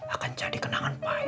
akan jadi kenangan pahit